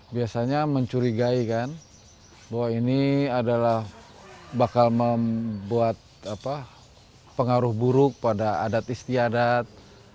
biasanya mencurigai kan bahwa ini adalah bakal membuat pengaruh buruk pada adat istiadat